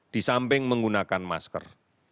di samping menggunakan masker